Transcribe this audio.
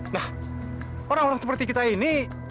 nah orang orang seperti kita ini